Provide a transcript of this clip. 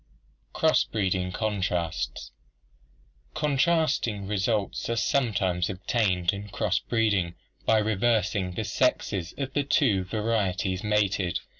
Cross breeding Contrasts. — Contrasting results are sometimes obtained in cross breeding by reversing the sexes of the two vari eties mated.